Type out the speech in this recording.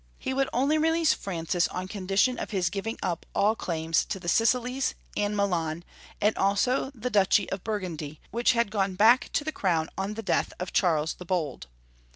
He would only release Francis on condition of his giving up all clauns to the Sicilies and Milan, and also the duchy of Burgundy, which had gone back to the crown on the death of Charles the Bold.